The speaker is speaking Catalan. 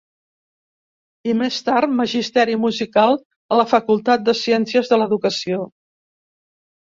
I més tard magisteri musical a la Facultat de Ciències de l'Educació.